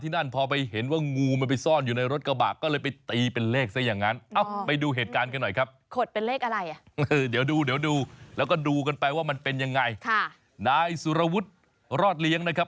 ดูกันไปว่ามันเป็นยังไงนายสุรวุฒิรอดเลี้ยงนะครับ